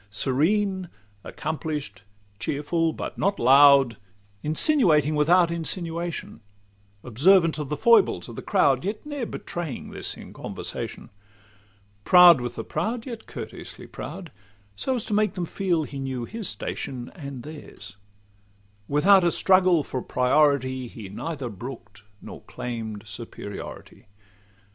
Serene, accomplish'd, cheerful but not loud; Insinuating without insinuation; Observant of the foibles of the crowd, Yet ne'er betraying this in conversation; Proud with the proud, yet courteously proud, So as to make them feel he knew his station And theirs:—without a struggle for priority, He neither brook'd nor claim'd superiority.